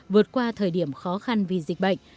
vượt qua thời điểm khó khăn vì dịch bệnh